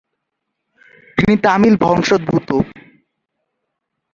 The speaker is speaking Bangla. তিনি তামিল বংশোদ্ভূত।